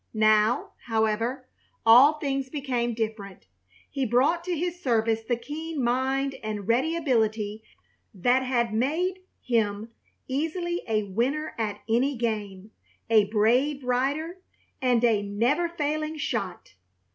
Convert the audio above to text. Now, however, all things became different. He brought to his service the keen mind and ready ability that had made him easily a winner at any game, a brave rider, and a never failing shot.